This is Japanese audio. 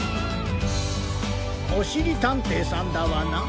おしりたんていさんダワナ？